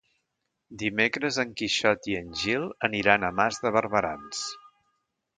Dimecres en Quixot i en Gil aniran a Mas de Barberans.